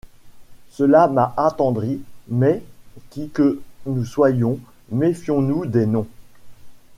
Cela m’a attendri ; mais, qui que nous soyons, méfions-nous des noms.